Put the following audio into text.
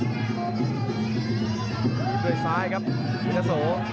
ด้วยซ้ายครับอินทะโส